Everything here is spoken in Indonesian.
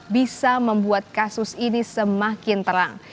bisa membuat kasus ini semakin terang